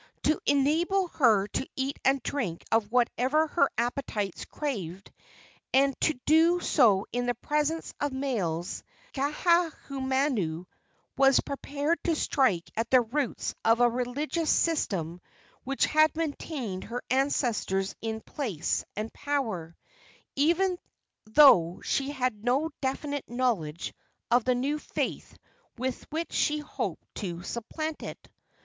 To enable her to eat and drink of whatever her appetites craved, and to do so in the presence of males, Kaahumanu was prepared to strike at the roots of a religious system which had maintained her ancestors in place and power, even though she had no definite knowledge of the new faith with which she hoped to supplant it.